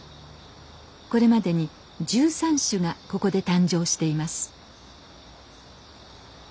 これまでに１３種がここで誕生しています。